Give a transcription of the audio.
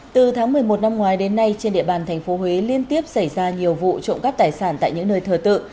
từ tháng một mươi một năm ngoái đến nay trên địa bàn tp huế liên tiếp xảy ra nhiều vụ trộm cắp tài sản tại những nơi thờ tự